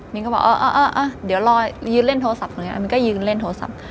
มิ้นก็บอกเดี๋ยวรอยืนเล่นโทรศัพท์มิ้นก็ยืนเล่นโทรศัพท์